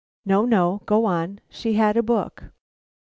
"No, no, go on, she had a book."